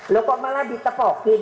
loh kok malah ditepokin